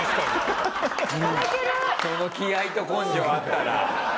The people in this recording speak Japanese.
その気合と根性あったら。